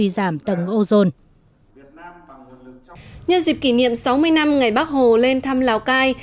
nhân dịp kỷ niệm sáu mươi năm ngày bắc hồ lên thăm lào cai